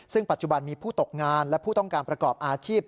ซึ่งปัจจุบันมีผู้ตกงานและผู้ต้องการประกอบอาชีพ